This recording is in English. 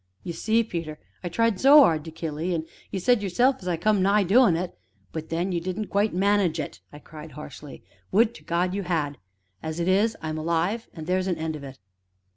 "Ye see, Peter, I tried so 'ard to kill 'ee, an' you said yourself as I come nigh doin' it " "But then, you didn't quite manage it," I cried harshly "would to God you had; as it is, I am alive, and there's an end of it."